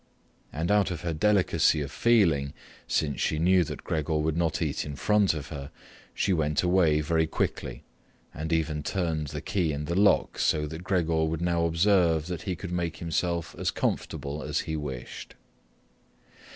And out of her delicacy of feeling, since she knew that Gregor would not eat in front of her, she went away very quickly and even turned the key in the lock, so that Gregor would now observe that he could make himself as comfortable as he wished.